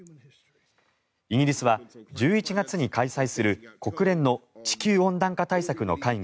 イギリスは１１月に開催する国連の地球温暖化対策の会議